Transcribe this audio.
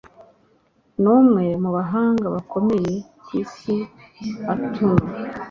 ni umwe mu bahanga bakomeye ku isi autuno